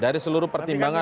dari seluruh pertimbangan